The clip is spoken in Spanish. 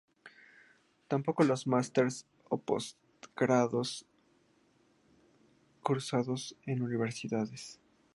Tampoco los másters o postgrados cursados en universidades.